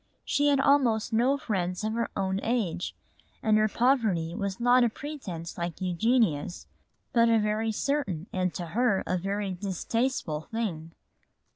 She had almost no friends of her own age and her poverty was not a pretence like Eugenia's, but a very certain and to her a very distasteful thing.